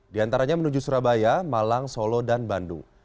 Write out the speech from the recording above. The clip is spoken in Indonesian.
di antaranya menuju surabaya malang solo dan bandung